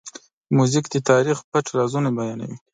موزیک د تاریخ پټ رازونه بیانوي.